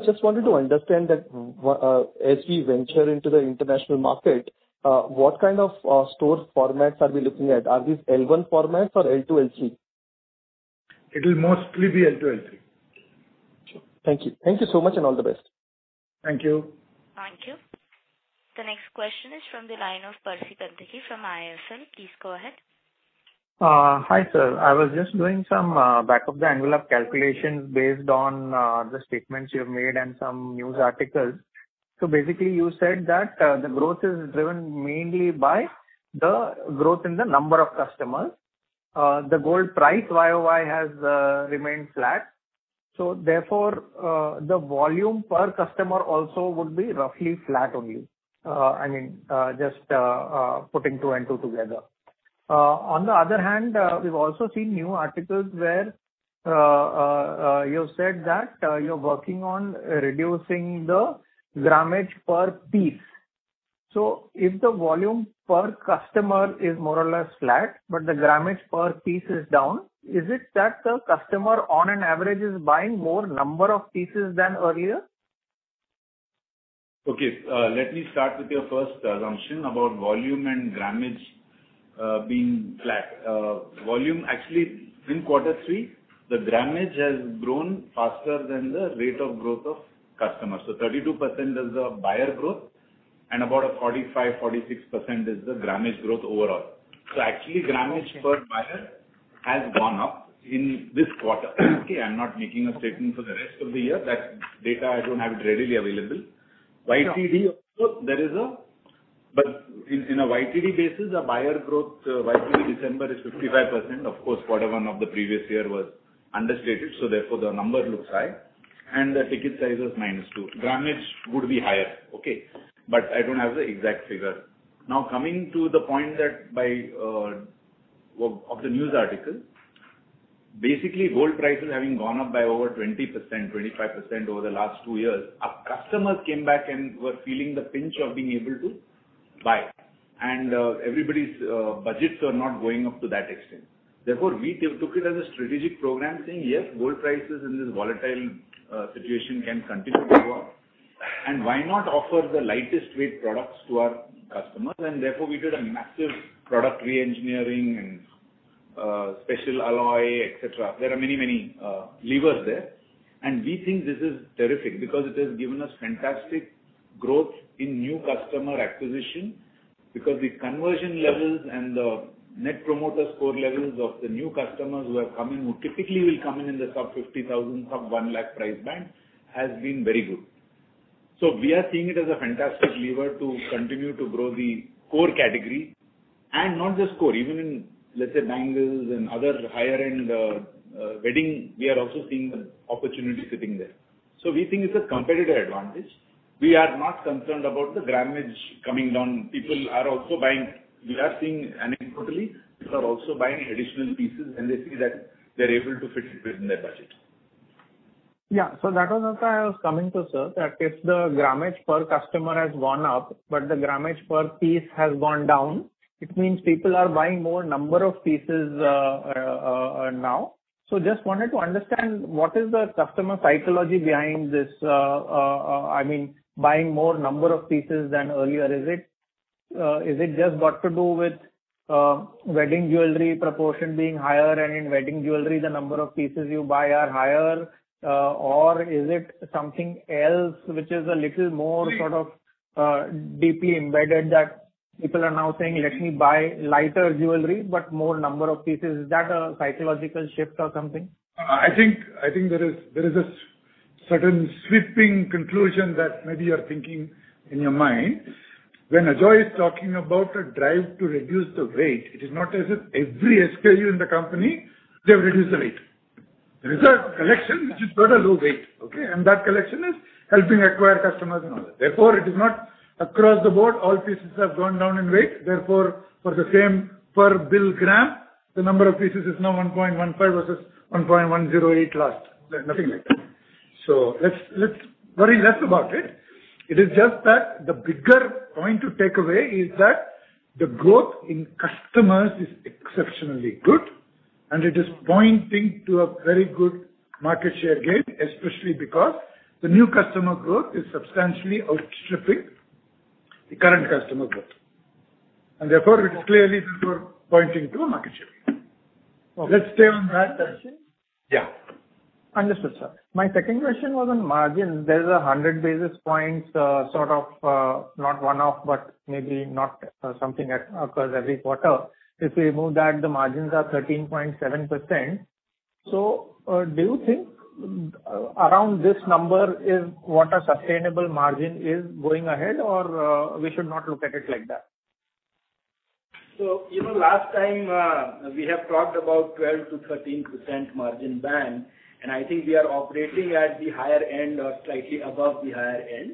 Just wanted to understand as we venture into the international market, what kind of store formats are we looking at? Are these L1 formats or L2, L3? It will mostly be L 2, L 3. Sure. Thank you. Thank you so much and all the best. Thank you. Thank you. The next question is from the line of Percy Panthaki from IIFL. Please go ahead. Hi, sir. I was just doing some back-of-the-envelope calculations based on the statements you've made and some news articles. Basically you said that the growth is driven mainly by the growth in the number of customers. The gold price YOY has remained flat, so therefore the volume per customer also would be roughly flat only. I mean, just putting two and two together. On the other hand, we've also seen news articles where you've said that you're working on reducing the grammage per piece. If the volume per customer is more or less flat, but the grammage per piece is down, is it that the customer on an average is buying more number of pieces than earlier? Okay, let me start with your first assumption about volume and grammage, being flat. Volume actually in quarter three, the grammage has grown faster than the rate of growth of customers. 32% is the buyer growth, and about a 45-46% is the grammage growth overall. Actually grammage per buyer has gone up in this quarter. Okay? I'm not making a statement for the rest of the year. That data I don't have it readily available. Sure. YTD also there is. In a YTD basis, the buyer growth YTD December is 55%. Of course, quarter one of the previous year was understated, so therefore the number looks high, and the ticket size was -2%. Grammage would be higher, okay? I don't have the exact figure. Now, coming to the point of the news article, basically gold prices having gone up by over 20%, 25% over the last two years, our customers came back and were feeling the pinch of being able to buy. Everybody's budgets are not going up to that extent. Therefore, we took it as a strategic program saying, "Yes, gold prices in this volatile situation can continue to go up. Why not offer the lightest weight products to our customers?" Therefore we did a massive product reengineering and, special alloy, et cetera. There are many, many levers there. We think this is terrific because it has given us fantastic growth in new customer acquisition, because the conversion levels and the net promoter score levels of the new customers who are coming, who typically will come in the sub 50,000, sub 1 lakh price band, has been very good. We are seeing it as a fantastic lever to continue to grow the core category. Not just core, even in, let's say, bangles and other higher-end, wedding, we are also seeing an opportunity sitting there. We think it's a competitive advantage. We are not concerned about the grammage coming down. People are also buying. We are seeing anecdotally, people are also buying additional pieces when they see that they're able to fit it within their budget. Yeah. That was also I was coming to, sir, that if the grammage per customer has gone up, but the grammage per piece has gone down, it means people are buying more number of pieces now. Just wanted to understand what is the customer psychology behind this, I mean, buying more number of pieces than earlier. Is it just got to do with wedding jewelry proportion being higher, and in wedding jewelry the number of pieces you buy are higher? Or is it something else which is a little more sort of deeply embedded that people are now saying, "Let me buy lighter jewelry, but more number of pieces." Is that a psychological shift or something? I think there is a certain sweeping conclusion that maybe you're thinking in your mind. When Ajoy is talking about a drive to reduce the weight, it is not as if every SKU in the company, they've reduced the weight. There is a collection which has got a low weight, okay? That collection is helping acquire customers and all that. Therefore, it is not across the board all pieces have gone down in weight. Therefore, for the same per bill gram, the number of pieces is now 1.15 versus 1.108 last. Nothing like that. Let's worry less about it. It is just that the bigger point to take away is that the growth in customers is exceptionally good, and it is pointing to a very good market share gain, especially because the new customer growth is substantially outstripping the current customer growth. Therefore it's clearly, therefore, pointing to a market share gain. Okay. Let's stay on that. One more question. Yeah. Understood, sir. My second question was on margin. There's 100 basis points, sort of, not one-off, but maybe not, something that occurs every quarter. If we remove that, the margins are 13.7%. Do you think around this number is what a sustainable margin is going ahead or we should not look at it like that? You know, last time, we have talked about 12%-13% margin band, and I think we are operating at the higher end or slightly above the higher end.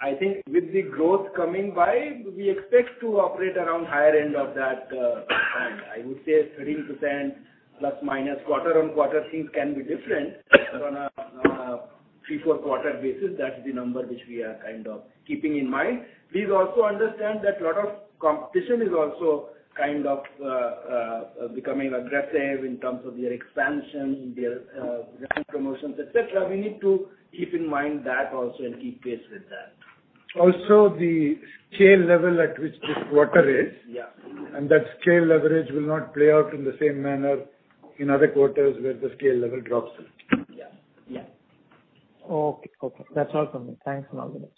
I think with the growth coming by, we expect to operate around higher end of that band. I would say 13% plus minus. Quarter-on-quarter things can be different. On a 3-4 quarter basis, that's the number which we are kind of keeping in mind. Please also understand that lot of competition is also kind of becoming aggressive in terms of their expansion, in their brand promotions, et cetera. We need to keep in mind that also and keep pace with that. The scale level at which this quarter is. Yeah. That scale leverage will not play out in the same manner in other quarters where the scale level drops. Yeah. Yeah. Okay. That's all from me. Thanks and all the best. Thank you.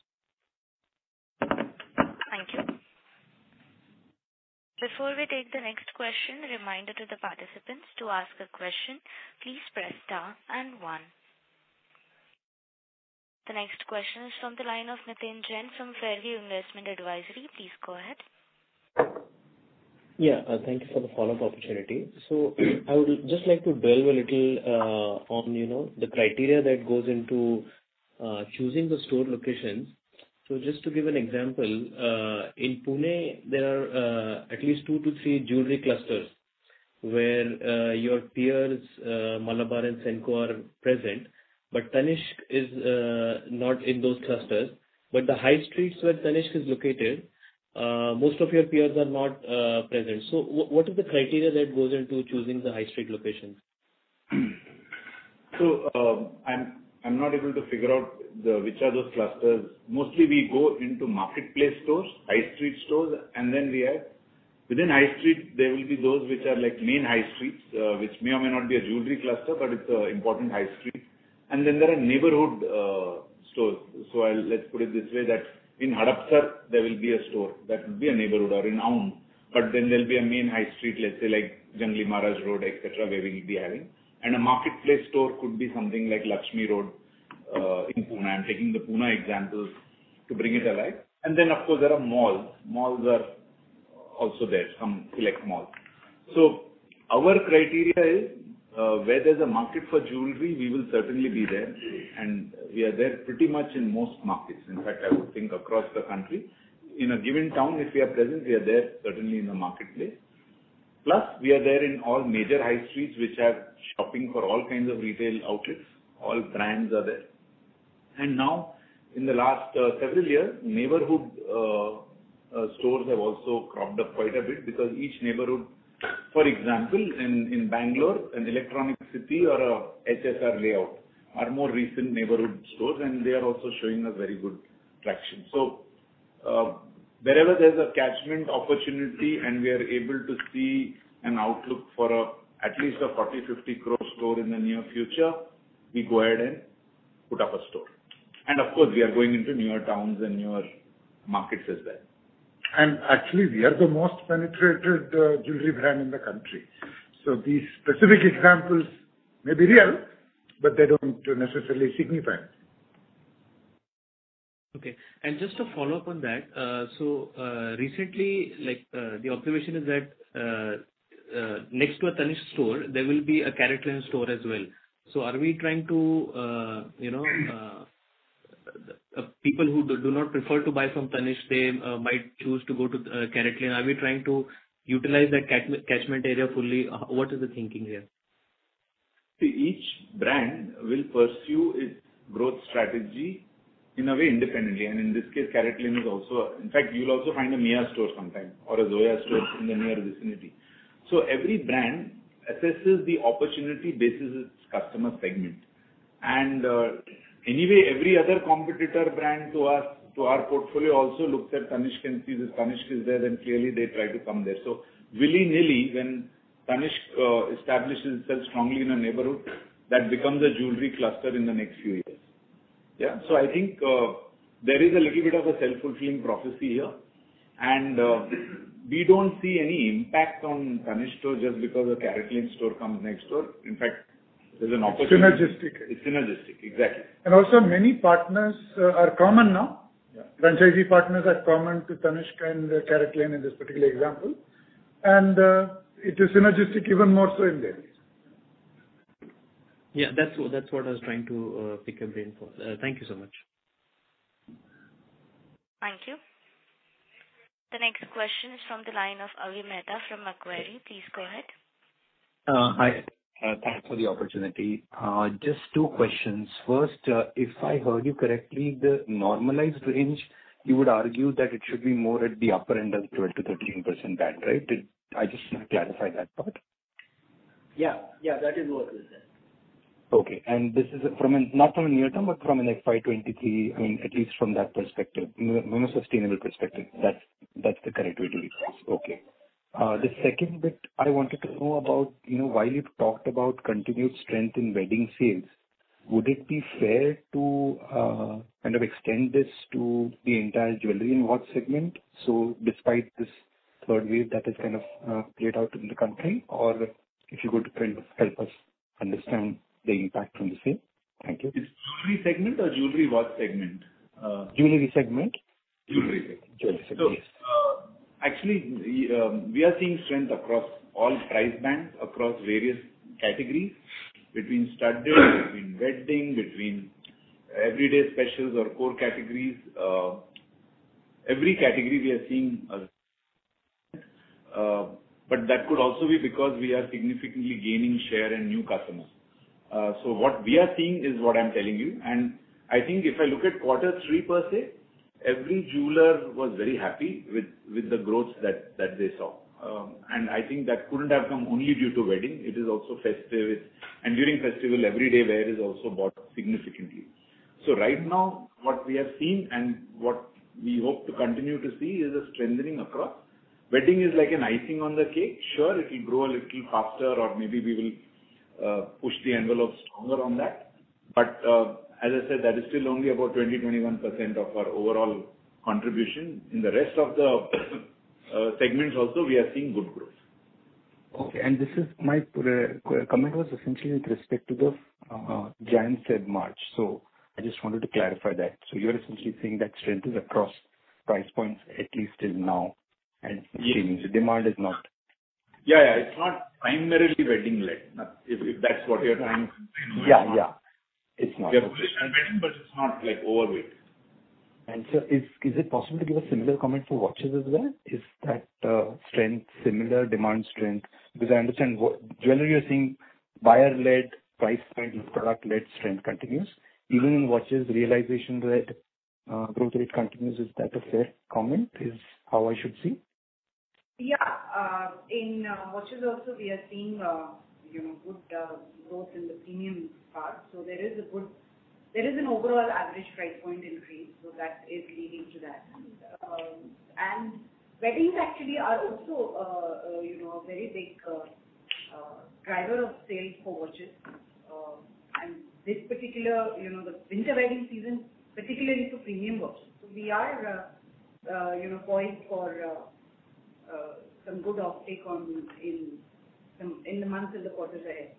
Before we take the next question, a reminder to the participants, to ask a question, please press star and one. The next question is from the line of Nitin Jain from Fairview Investment Advisory. Please go ahead. Thank you for the follow-up opportunity. I would just like to delve a little on, you know, the criteria that goes into choosing the store locations. Just to give an example, in Pune, there are at least two to three jewelry clusters where your peers, Malabar and Senco, are present, but Tanishq is not in those clusters. The high streets where Tanishq is located, most of your peers are not present. What is the criteria that goes into choosing the high street locations? I'm not able to figure out the which are those clusters. Mostly we go into marketplace stores, high street stores, and then we add. Within high street, there will be those which are like main high streets, which may or may not be a jewelry cluster, but it's a important high street. Then there are neighborhood stores. Let's put it this way, that in Hadapsar there will be a store that would be a neighborhood or renowned, but then there'll be a main high street, let's say like Jangli Maharaj Road, et cetera, where we'll be having. A marketplace store could be something like Lakshmi Road in Pune. I'm taking the Pune examples to bring it alive. Then of course there are malls. Malls are also there, some select malls. Our criteria is where there's a market for jewelry, we will certainly be there. We are there pretty much in most markets. In fact, I would think across the country. In a given town, if we are present, we are there certainly in the marketplace. Plus, we are there in all major high streets which have shopping for all kinds of retail outlets. All brands are there. Now in the last several years, neighborhood stores have also cropped up quite a bit because each neighborhood. For example, in Bangalore, Electronic City or HSR Layout are more recent neighborhood stores, and they are also showing a very good traction. Wherever there's a catchment opportunity and we are able to see an outlook for at least a 40 crore-50 crore store in the near future, we go ahead and put up a store. Of course, we are going into newer towns and newer markets as well. Actually, we are the most penetrated jewelry brand in the country. These specific examples may be real, but they don't necessarily signify. Okay. Just to follow up on that. Recently, like, the observation is that next to a Tanishq store there will be a CaratLane store as well. People who do not prefer to buy from Tanishq, they might choose to go to CaratLane. Are we trying to utilize that catchment area fully? What is the thinking there? See, each brand will pursue its growth strategy in a way independently. In this case, CaratLane is also. In fact, you'll also find a Mia store sometimes or a Zoya store in the near vicinity. Every brand assesses the opportunity basis its customer segments. Anyway, every other competitor brand to us, to our portfolio also looks at Tanishq and sees if Tanishq is there, then clearly they try to come there. Willy-nilly, when Tanishq establishes itself strongly in a neighborhood, that becomes a jewelry cluster in the next few years. I think, there is a little bit of a self-fulfilling prophecy here. We don't see any impact on Tanishq store just because a CaratLane store comes next door. In fact, there's an opportunity. Synergistic. It's synergistic, exactly. Many partners are common now. Yeah. Franchisee partners are common to Tanishq and CaratLane in this particular example. It is synergistic even more so in there. Yeah, that's what I was trying to pick your brain for. Thank you so much. Thank you. The next question is from the line of Avi Mehta from Macquarie. Please go ahead. Hi. Thanks for the opportunity. Just two questions. First, if I heard you correctly, the normalized range, you would argue that it should be more at the upper end of 12%-13% band, right? I just want to clarify that part. Yeah. Yeah, that is what we said. Okay. This is not from a near-term, but from an FY 2023, I mean, at least from that perspective, from a sustainable perspective, that's the correct way to read this. The second bit I wanted to know about, you know, while you've talked about continued strength in wedding sales, would it be fair to kind of extend this to the entire jewelry and watch segment, so despite this third wave that has kind of played out in the country? Or if you could kind of help us understand the impact from the same. Thank you. It's jewelry segment or jewelry watch segment? Jewelry segment. Jewelry segment. Jewelry segment, yes. Actually, we are seeing strength across all price bands, across various categories between studded, between wedding, between everyday specials or core categories. Every category we are seeing, but that could also be because we are significantly gaining share and new customers. What we are seeing is what I'm telling you. I think if I look at quarter three per se, every jeweler was very happy with the growth that they saw. I think that couldn't have come only due to wedding. It is also festive. During festival, everyday wear is also bought significantly. Right now what we have seen and what we hope to continue to see is a strengthening across. Wedding is like an icing on the cake. Sure, it will grow a little faster or maybe we will push the envelope stronger on that. As I said, that is still only about 20-21% of our overall contribution. In the rest of the segments also we are seeing good growth. Okay. My comment was essentially with respect to the Jan-Feb-March. I just wanted to clarify that. You're essentially saying that strength is across price points at least till now and- Yes. The demand is not. Yeah, yeah. It's not primarily wedding led, if that's what you're trying to say. Yeah. Yeah. It's not. We have wedding, but it's not like overweight. Sir, is it possible to give a similar comment for watches as well? Is that strength similar demand strength? Because I understand generally, you're seeing buyer-led price point and product-led strength continues. Even in watches realization rate, growth rate continues. Is that a fair comment, is how I should see? Yeah. In watches also we are seeing, you know, good growth in the premium part. There is an overall average price point increase, so that is leading to that. Weddings actually are also, you know, a very big driver of sales for watches, and this particular, you know, the winter wedding season, particularly for premium watches. We are, you know, poised for some good uptake in the months and the quarters ahead.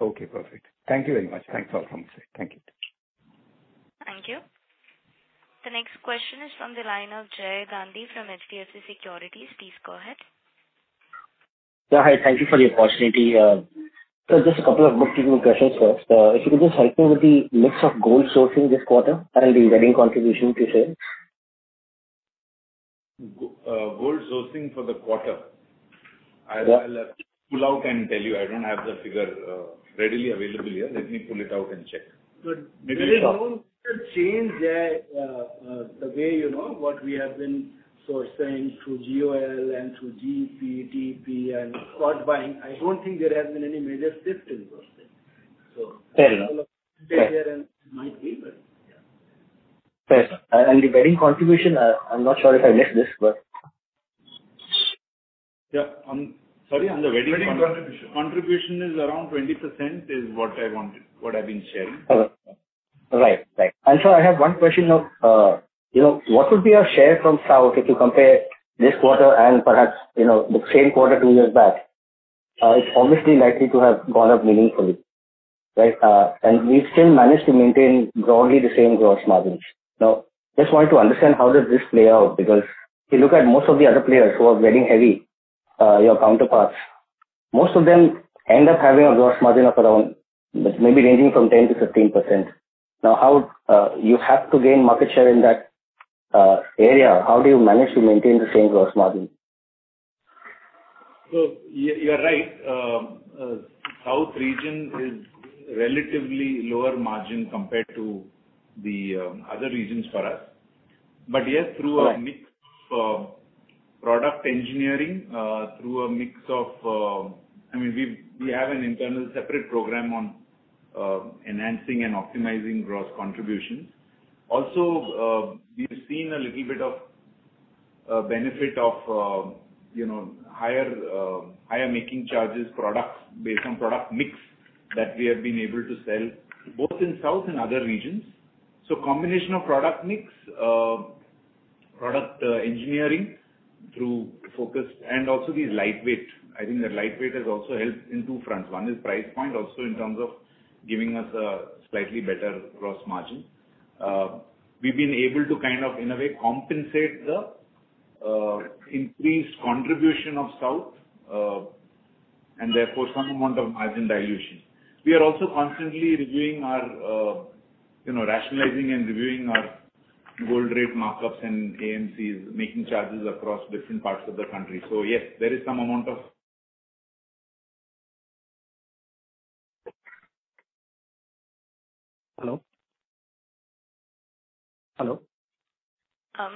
Okay, perfect. Thank you very much. Thanks for your time. Thank you. Thank you. The next question is from the line of Jay Gandhi from HDFC Securities. Please go ahead. Hi, thank you for the opportunity. Just a couple of bookkeeping questions first. If you could just help me with the mix of gold sourcing this quarter and the wedding contribution to sales. Gold sourcing for the quarter. Yeah. I'll pull out and tell you. I don't have the figure readily available here. Let me pull it out and check. Good. Maybe- There is no change there, the way you know what we have been sourcing through GOL and through GP, TP, and spot buying. I don't think there has been any major shift in sourcing. Fair enough. Might be, but yeah. Fair. The wedding contribution, I'm not sure if I missed this, but. Yeah. Sorry. On the wedding Wedding contribution. Contribution is around 20% is what I wanted, what I've been sharing. Thank you. I have one question, you know, what would be our share from South if you compare this quarter and perhaps, you know, the same quarter two years back? It's obviously likely to have gone up meaningfully. We've still managed to maintain broadly the same gross margins. Now, just wanted to understand how does this play out? Because if you look at most of the other players who are wedding heavy, your counterparts, most of them end up having a gross margin of around, maybe ranging from 10%-15%. Now, how you have to gain market share in that area. How do you manage to maintain the same gross margin? You're right. South region is relatively lower margin compared to the other regions for us. Yes, through- Right. A mix of product engineering through a mix of. I mean, we have an internal separate program on enhancing and optimizing gross contributions. Also, we've seen a little bit of benefit of you know higher Making Charges products based on product mix that we have been able to sell both in South and other regions. Combination of product mix, product engineering through focus and also these lightweight. I think the lightweight has also helped in two fronts. One is price point also in terms of giving us a slightly better gross margin. We've been able to kind of in a way compensate the increased contribution of South and therefore some amount of margin dilution. We are also constantly rationalizing and reviewing our gold rate markups and Making Charges across different parts of the country. Yes, there is some amount of Hello? Hello?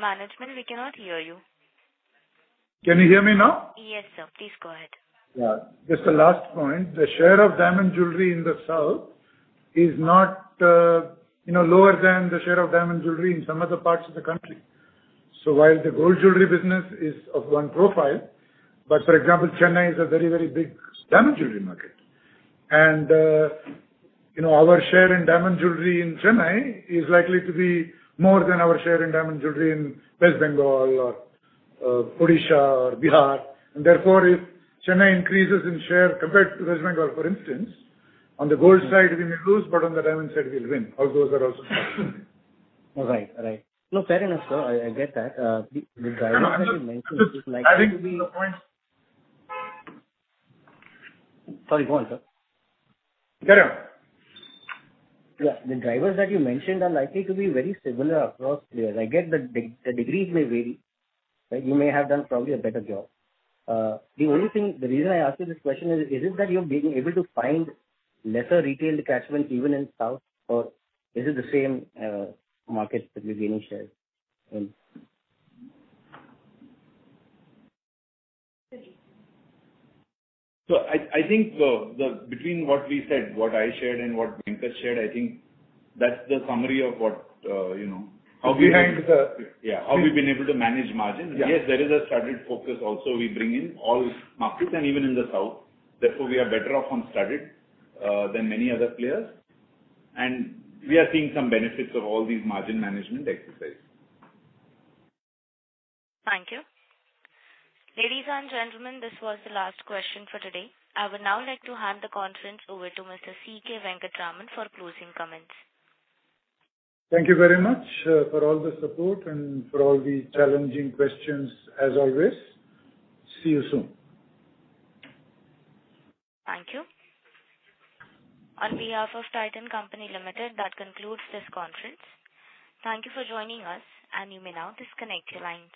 Management, we cannot hear you. Can you hear me now? Yes, sir. Please go ahead. Yeah. Just the last point. The share of diamond jewelry in the South is not lower than the share of diamond jewelry in some other parts of the country. While the gold jewelry business is of one profile, but for example, Chennai is a very, very big diamond jewelry market. Our share in diamond jewelry in Chennai is likely to be more than our share in diamond jewelry in West Bengal or Odisha or Bihar. Therefore, if Chennai increases in share compared to West Bengal, for instance, on the gold side we may lose, but on the diamond side we'll win. Outgos are also. All right. No, fair enough, sir. I get that. The drivers that you mentioned is likely to be. I think the point- Sorry, go on, sir. Carry on. Yeah. The drivers that you mentioned are likely to be very similar across players. I get the degrees may vary, right? You may have done probably a better job. The only thing, the reason I ask you this question is it that you've been able to find lesser retail detachment even in South or is it the same market that you're gaining share in? Sorry. I think between what we said, what I shared and what Venkat shared, I think that's the summary of what you know how we Behind the- Yeah. How we've been able to manage margin. Yeah. Yes, there is a studied focus also we bring in all markets and even in the South. Therefore, we are better off on studied than many other players. We are seeing some benefits of all these margin management exercise. Thank you. Ladies and gentlemen, this was the last question for today. I would now like to hand the conference over to Mr. C.K. Venkataraman for closing comments. Thank you very much for all the support and for all the challenging questions as always. See you soon. Thank you. On behalf of Titan Company Limited, that concludes this conference. Thank you for joining us, and you may now disconnect your lines.